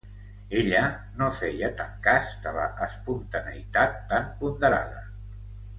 Ella no feia tant cas, de la espontaneïtat tan ponderada.